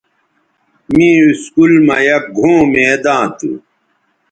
می اسکول مہ یک گھؤں میداں تھو